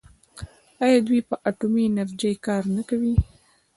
آیا دوی په اټومي انرژۍ کار نه کوي؟